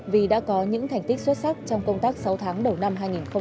vì đã có những thành tích xuất sắc trong công tác sáu tháng đầu năm hai nghìn hai mươi ba